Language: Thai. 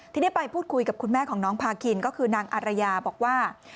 ทีนี้ไปพูดคุยกับคุณแม่ของน้องพาคินก็คือนางอารยาบอกว่า